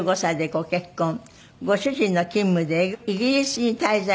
ご主人の勤務でイギリスに滞在。